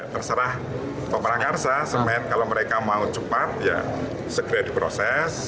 terserah ke prakarsa semen kalau mereka mau cepat ya segera diproses